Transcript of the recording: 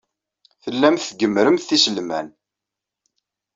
Tellamt tgemmremt iselman.